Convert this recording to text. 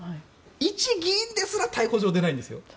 一議員ですら逮捕状が出ないんですよ。